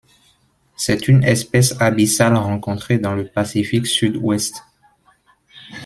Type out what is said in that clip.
C'est une espèce abyssale rencontrée dans le Pacifique sud-ouest.